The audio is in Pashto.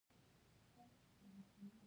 د ریګ دښتې د جغرافیې بېلګه ده.